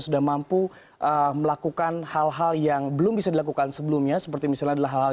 sudah mampu melakukan hal hal yang belum bisa dilakukan sebelumnya seperti misalnya adalah hal hal